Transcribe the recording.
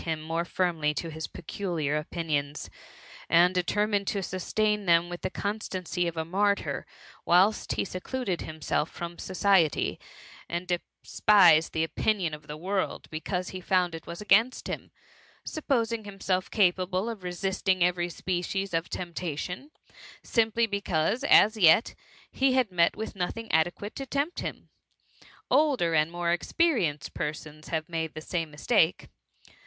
21 him more firmly to his peculiar opinions, and de termined him to sustain them with the constancy of a martyr, whilst he secluded himself from society, and despised the opinion of the world, because he found it was against him ; supposing himself capable of resisting every species of temptation, simply because, as yet, he had met with nothing adequate to tempt him. Older and more experienced persons have made the same mistake.